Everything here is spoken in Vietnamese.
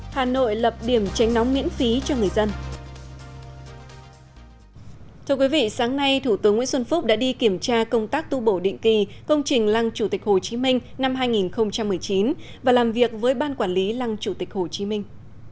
thưa quý vị sáng nay thủ tướng nguyễn xuân phúc đã đi kiểm tra công tác tu bổ định kỳ công trình lăng chủ tịch hồ chí minh năm hai nghìn một mươi chín và làm việc với ban quản lý lăng chủ tịch hồ chí minh